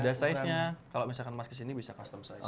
ada size nya kalau misalkan mas kesini bisa custom size